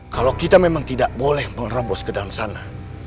kalau kita memang tidak boleh menerobos ke dalam sana